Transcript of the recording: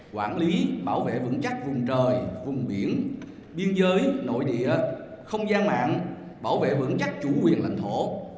quản lý bảo vệ vững chắc vùng trời vùng biển biên giới nội địa không gian mạng bảo vệ vững chắc chủ quyền lãnh thổ